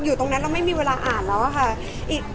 อยู่ตรงนั้นเราไม่มีเวลาอ่านแล้วอะค่ะ